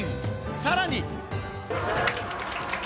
さらに。